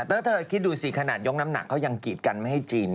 แล้วเธอคิดดูสิขนาดยกน้ำหนักเขายังกีดกันไม่ให้จีน